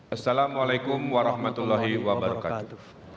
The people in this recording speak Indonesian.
assalamualaikum warahmatullahi wabarakatuh